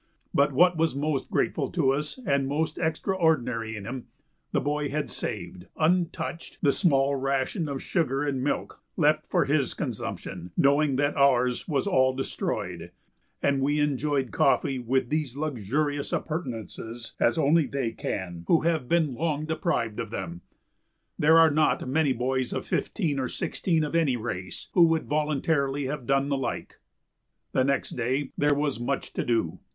But what was most grateful to us and most extraordinary in him, the boy had saved, untouched, the small ration of sugar and milk left for his consumption, knowing that ours was all destroyed; and we enjoyed coffee with these luxurious appurtenances as only they can who have been long deprived of them. There are not many boys of fifteen or sixteen of any race who would voluntarily have done the like. [Illustration: Johnny Fred who kept the base camp and fed the dogs and would not touch the sugar.] The next day there was much to do.